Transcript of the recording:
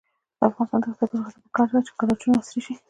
د افغانستان د اقتصادي پرمختګ لپاره پکار ده چې ګراجونه عصري شي.